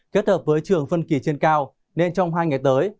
kết hợp với trường phân kỳ trên cao nên trong hai ngày tới